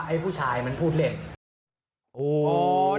นักเรียงมัธยมจะกลับบ้าน